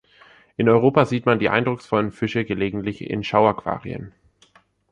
In Europa sieht man die eindrucksvollen Fische gelegentlich in Schauaquarien.